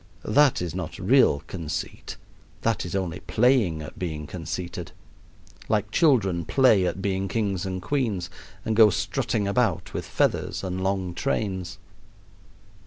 That is not real conceit that is only playing at being conceited; like children play at being kings and queens and go strutting about with feathers and long trains.